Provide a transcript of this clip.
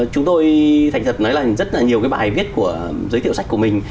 chúng tôi thành thật nói là rất là nhiều cái bài viết của giới thiệu sách của mình